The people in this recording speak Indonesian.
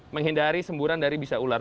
menghindari semburan dari bisa ular